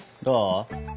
どう？